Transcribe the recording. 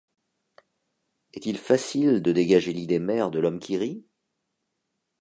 Est-il facile de dégager l’idée mère de l’Homme qui Rit?